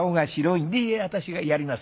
いえ私がやります。